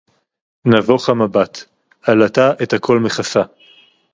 נָבוֹךְ הַמֶּבָּט. עֲלָטָה אֶת הַכֹּל מְכַסָּה.